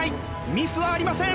ミスはありません！